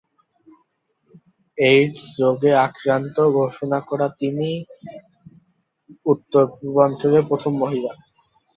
AIDS রোগে আক্রান্ত ঘোষণা করা তিনিই উত্তর-পূর্বাঞ্চলের প্রথম মহিলা।